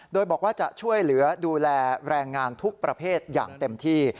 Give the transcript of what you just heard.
โดยบอกว่าจะช่วยเหลือดูแลแรงงานทุกประเภทอย่างเต็มที่